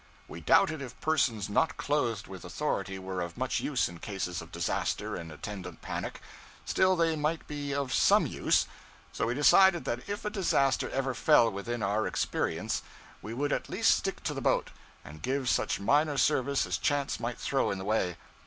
We doubted if persons not clothed with authority were of much use in cases of disaster and attendant panic; still, they might be of _some _use; so we decided that if a disaster ever fell within our experience we would at least stick to the boat, and give such minor service as chance might throw in the way.